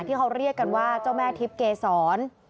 ที่เขาเรียกกันว่าเจ้าแม่ทิพย์เกษร